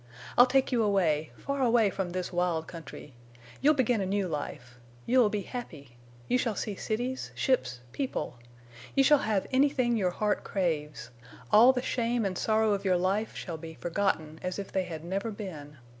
I'll take you away—far away from this wild country. You'll begin a new life. You'll be happy. You shall see cities, ships, people. You shall have anything your heart craves. All the shame and sorrow of your life shall be forgotten—as if they had never been.